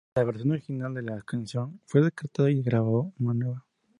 La versión original de la canción fue descartada y se grabó una nueva.